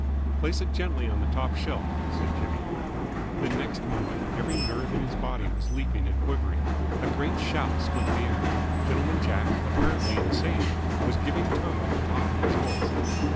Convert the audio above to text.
"Place it gently on the top shelf," said Jimmy. The next moment every nerve in his body was leaping and quivering. A great shout split the air. Gentleman Jack, apparently insane, was giving tongue at the top of his voice.